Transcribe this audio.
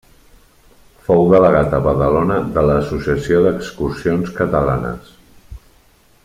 Fou delegat a Badalona de l'Associació d'Excursions Catalanes.